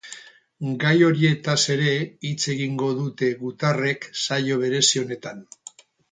Gai horietaz ere hitz egingo dute gutarrek saio berezi honetan.